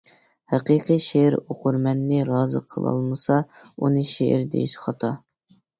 ھەقىقىي شېئىر ئوقۇرمەننى رازى قىلالمىسا ئۇنى شېئىر دېيىش خاتا!